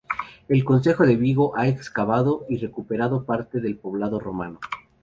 El Concejo de Vigo ha excavado y recuperado parte del poblado romano.